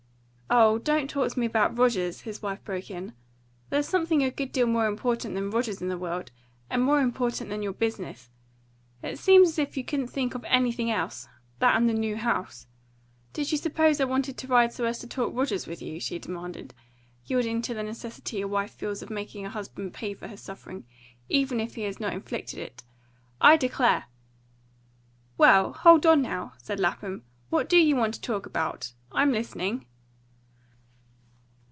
"Oh, don't talk to me about Rogers!" his wife broke in. "There's something a good deal more important than Rogers in the world, and more important than your business. It seems as if you couldn't think of anything else that and the new house. Did you suppose I wanted to ride so as to talk Rogers with you?" she demanded, yielding to the necessity a wife feels of making her husband pay for her suffering, even if he has not inflicted it. "I declare " "Well, hold on, now!" said Lapham. "What DO you want to talk about? I'm listening."